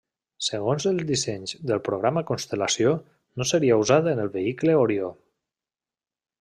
Segons els dissenys del Programa Constel·lació no seria usat en el vehicle Orió.